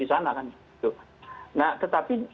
di sana kan nah tetapi